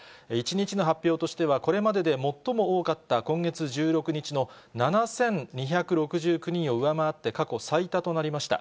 １日の発表としては、これまでで最も多かった今月１６日の７２６９人を上回って過去最多となりました。